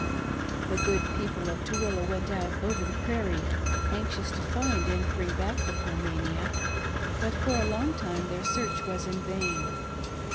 The good people of Tooele went out over the prairie, anxious to find and bring back the poor maniac, but for a long time their search was in vain.